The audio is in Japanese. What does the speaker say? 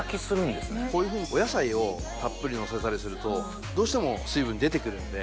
こういうふうにお野菜をたっぷりのせたりするとどうしても水分出てくるので。